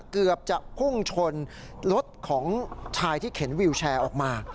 เกือบจะพุ่งชนรถของชายที่เข็นวิวแชร์ออกมา